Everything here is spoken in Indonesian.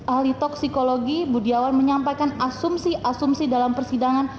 ahli toksikologi budiawan menyampaikan asumsi asumsi dalam persidangan